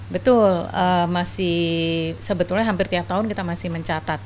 betul masih sebetulnya hampir tiap tahun kita masih mencatat